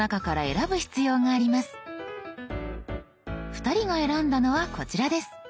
２人が選んだのはこちらです。